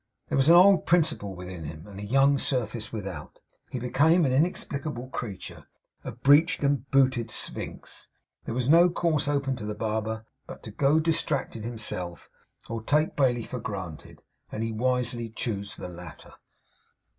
There was an old principle within him, and a young surface without. He became an inexplicable creature; a breeched and booted Sphinx. There was no course open to the barber, but to go distracted himself, or to take Bailey for granted; and he wisely chose the latter.